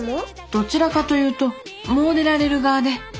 どちらかというと詣でられる側で。